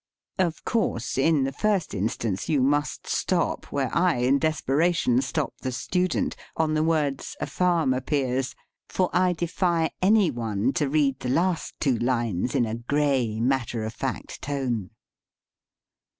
Of course, in the first instance you must stop where I, in des peration, stopped the student on the words, " a farm appears .'' For I defy any one to read the last two lines in a gray, matter of fact tone.